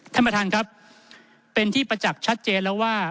ท่านประธานครับเป็นที่ประจักษ์ชัดเจนแล้วว่า